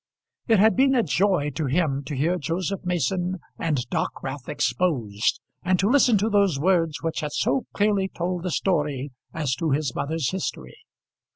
It had been a joy to him to hear Joseph Mason and Dockwrath exposed, and to listen to those words which had so clearly told the truth as to his mother's history.